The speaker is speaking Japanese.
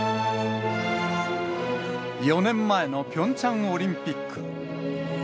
４年前のピョンチャンオリンピック。